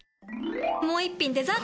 もう一品デザート！